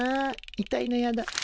痛いのやだ。